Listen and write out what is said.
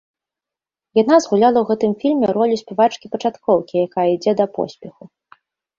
Яна згуляла ў гэтым фільме ролю спявачкі-пачаткоўкі, якая ідзе да поспеху.